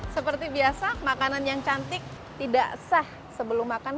seperti biasa makanan yang cantik tidak sah sebelum makan